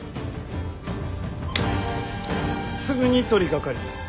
すぐに取りかかります。